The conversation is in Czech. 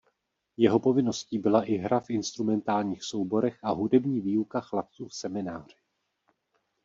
Jeho povinností byla i hra v instrumentálních souborech a hudební výuka chlapců v semináři.